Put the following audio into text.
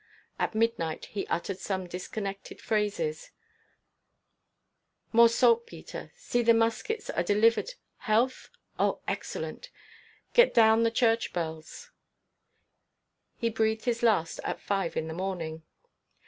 At midnight he uttered some disconnected phrases: "More saltpetre.... See the muskets are delivered. Health? Oh! excellent.... Get down the church bells...." He breathed his last at five in the morning.